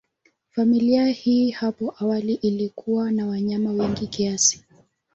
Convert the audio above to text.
Familia hii hapo awali ilikuwa na wanyama wengi kiasi.